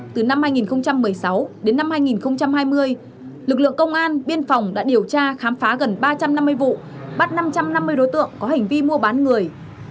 từ năm hai nghìn một mươi sáu đến năm hai nghìn hai mươi lực lượng công an biên phòng đã điều tra khám phá gần ba trăm năm mươi vụ bắt năm trăm năm mươi đối tượng có hành vi mua bán người